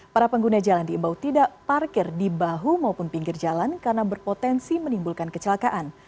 para pengguna jalan diimbau tidak parkir di bahu maupun pinggir jalan karena berpotensi menimbulkan kecelakaan